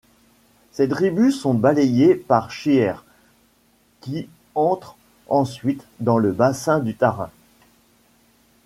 Ces tribus sont balayées par She'er, qui entre ensuite dans le bassin du Tarim.